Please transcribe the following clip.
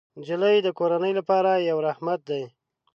نجلۍ د کورنۍ لپاره یو رحمت دی.